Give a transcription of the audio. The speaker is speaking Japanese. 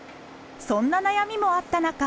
そんな悩みもあったなか。